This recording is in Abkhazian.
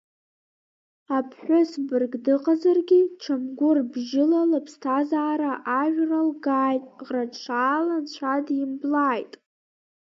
Аԥҳәыс бырг дыҟазаргьы, чамгәыр бжьыла лыԥсҭазаара ажәралгааит, ӷра ҭшала Анцәа димблааит.